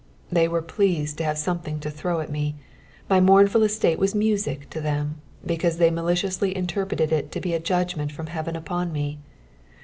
'' They were pleased to have sotaethiaK to throw at me ; my mournful estate waa music to them, becftuae they maliciousTy interpreted it to be a judgment from heaven upon rae.